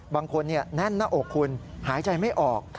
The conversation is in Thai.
บางคนแน่นหน้าอกคุณหายใจไม่ออก